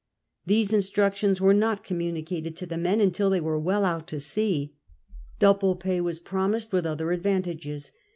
These instruc tions were not communicated to the men until they were well out at sea. Double pay was promised, with other advantages.